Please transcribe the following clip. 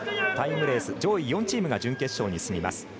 タイムレース、上位４チームが決勝へ進みます。